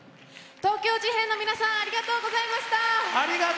東京事変の皆さんありがとうございました。